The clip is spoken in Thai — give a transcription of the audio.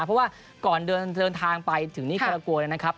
เพราะว่าก่อนเดินทางไปถึงนิคาราโกนะครับ